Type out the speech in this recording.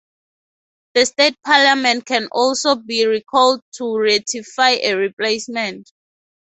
The State Parliament can also be recalled to ratify a replacement.